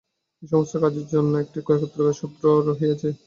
এই-সমস্ত কাজের মধ্যে একটি একতার সূত্র রহিয়াছে।